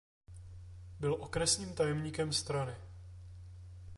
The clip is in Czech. Byl okresním tajemníkem strany.